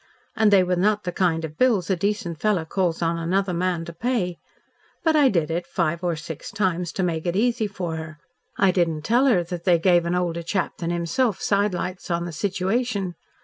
And they were not the kind of bills a decent fellow calls on another man to pay. But I did it five or six times to make it easy for her. I didn't tell her that they gave an older chap than himself sidelights on the situation.